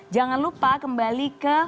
jangan lupa kembali ke